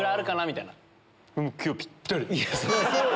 みたいな。